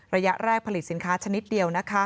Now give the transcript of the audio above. ระยะแรกผลิตสินค้าชนิดเดียว